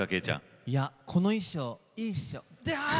この衣装いいっしょ？